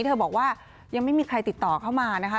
เธอบอกว่ายังไม่มีใครติดต่อเข้ามานะคะ